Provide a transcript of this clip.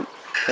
rất là nhiều